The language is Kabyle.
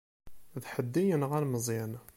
D ḥedd i yenɣan Meẓyan.